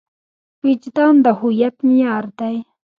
وجدان د هویت معیار دی.